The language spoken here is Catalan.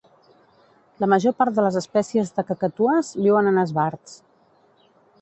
La major part de les espècies de cacatues viuen en esbarts.